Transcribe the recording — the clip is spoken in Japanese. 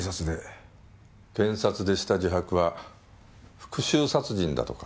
検察でした自白は復讐殺人だとか。